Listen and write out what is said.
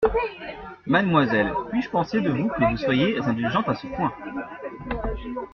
Mademoiselle, puis-je penser de vous que vous soyez indulgente à ce point?